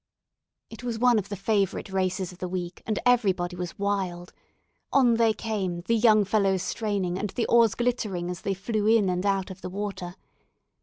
It was one of the favourite races of the week, and everybody was wild. On they came, the young fellows straining, and the oars glittering as they flew in and out of the water.